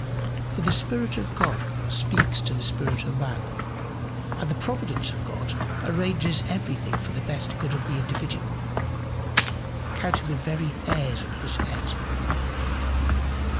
For the Spirit of God speaks to the spirit of the man, and the Providence of God arranges everything for the best good of the individual counting the very hairs of his head.